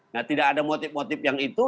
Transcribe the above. nah tidak ada motif motif yang itu